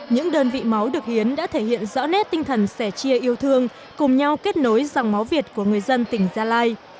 những đơn vị máu được hiến đã thể hiện rõ nét tinh thần sẻ chia yêu thương cùng nhau kết nối dòng máu việt của người dân tỉnh gia lai